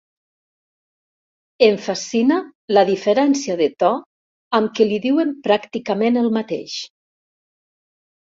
Em fascina la diferència de to amb què li diuen pràcticament el mateix.